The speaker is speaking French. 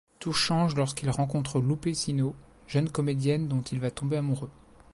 Tout change lorsqu'il rencontre Lupe Sino, jeune comédienne dont il va tomber amoureux.